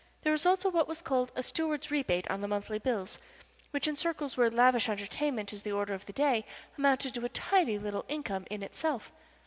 There was also what was called a steward's rebate on the monthly bills, which in circles where lavish entertainment is the order of the day amounted to a tidy little income in itself.